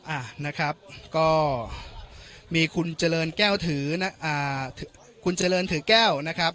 อ่ะนะครับก็มีคุณเจริญแก้วถืออ่าคุณเจริญถือแก้วนะครับ